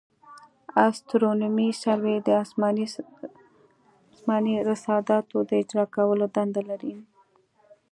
استرونومي سروې د اسماني رصاداتو د اجرا کولو دنده لري